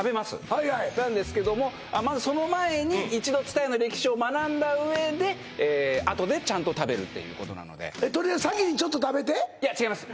はいはいなんですけどもまずその前に一度津多屋の歴史を学んだ上であとでちゃんと食べるっていうことなのでとりあえずいや違います